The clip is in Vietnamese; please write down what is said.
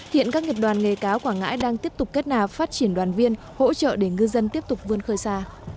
hiện các nghiệp đoàn nghề cáo quảng ngãi đang tiếp tục kết nạp phát triển đoàn viên hỗ trợ để ngư dân tiếp tục vươn khơi xa